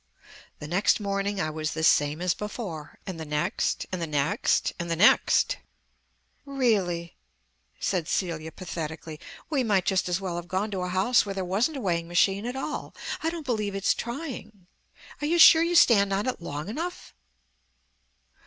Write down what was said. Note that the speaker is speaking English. The next morning I was the same as before, and the next, and the next, and the next. "Really," said Celia, pathetically, "we might just as well have gone to a house where there wasn't a weighing machine at all. I don't believe it's trying. Are you sure you stand on it long enough?"